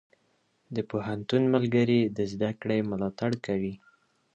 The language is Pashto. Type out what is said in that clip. د پوهنتون ملګري د زده کړې ملاتړ کوي.